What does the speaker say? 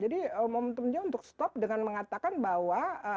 jadi momentum dia untuk berhenti dengan mengatakan bahwa